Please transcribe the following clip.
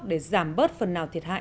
để giảm bớt phần nào thiệt hại